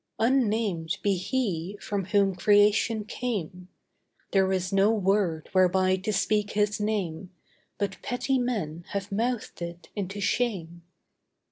Unnamed be HE from whom creation came; There is no word whereby to speak His name But petty men have mouthed it into shame.